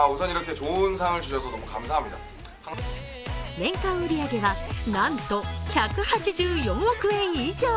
年間売り上げは、なんと１８４億円以上。